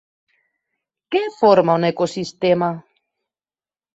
Què forma un ecosistema?